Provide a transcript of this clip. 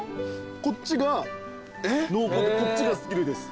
こっちが濃厚でこっちがすっきりです。